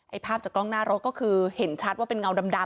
ภาพจากกล้องหน้ารถก็คือเห็นชัดว่าเป็นเงาดำ